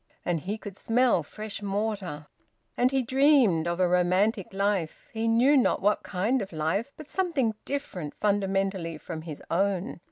And he could smell fresh mortar. And he dreamed of a romantic life he knew not what kind of life, but something different fundamentally from his own.